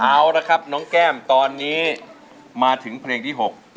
เอาละครับน้องแก้มตอนนี้มาถึงเพลงที่๖